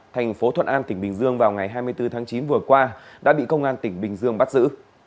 thành phố thuận an tỉnh bình dương vào ngày hai mươi bốn tháng chín vừa qua đã bị công an tỉnh bình dương bắt giữ